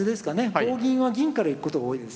棒銀は銀から行くことが多いです。